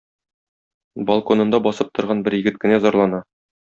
Балконында басып торган бер егет кенә зарлана